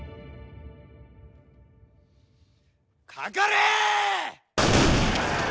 かかれ！